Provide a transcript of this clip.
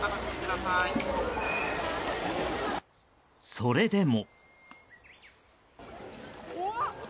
それでも。